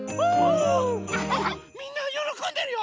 みんなよろこんでるよ！